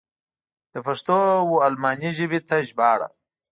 د پښتو و الماني ژبې ته ژباړه.